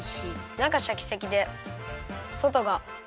なかシャキシャキでそとがふわふわ。